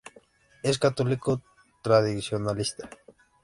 Es católico tradicionalista.